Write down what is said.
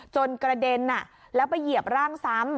กระเด็นแล้วไปเหยียบร่างซ้ำ